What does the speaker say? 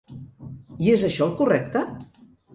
I és això el correcte?